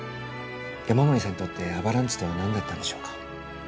山守さんにとってアバランチとは何だったんでしょうか？